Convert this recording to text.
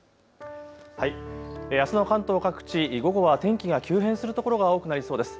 あすの関東各地、午後は天気が急変する所が多くなりそうです。